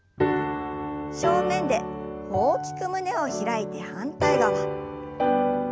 正面で大きく胸を開いて反対側。